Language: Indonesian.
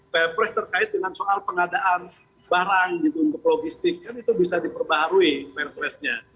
pfres terkait dengan soal pengadaan barang untuk logistik kan itu bisa diperbaharui pfres nya